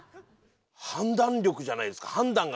判断力じゃないですか。